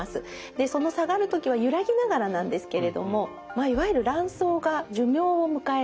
でその下がる時は揺らぎながらなんですけれどもいわゆる卵巣が寿命を迎える。